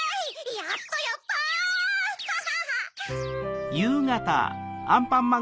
やったやった！ハハハ。